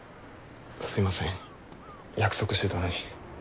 すいません約束してたのに。